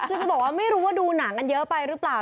คือจะบอกว่าไม่รู้ว่าดูหนังกันเยอะไปหรือเปล่า